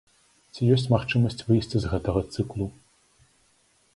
Ці ёсць магчымасць выйсці з гэтага цыклу?